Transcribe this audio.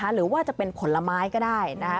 หรือว่าจะเป็นผลไม้ก็ได้